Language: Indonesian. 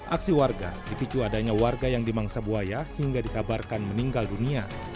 aksi warga dipicu adanya warga yang dimangsa buaya hingga dikabarkan meninggal dunia